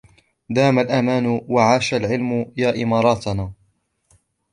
دَامَ الْأَمَانُ وَعَاشَ الْعَلَم يَا إِمَارَاتِنَا